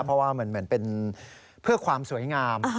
เพราะว่าเหมือนเป็นเพื่อความสวยงาม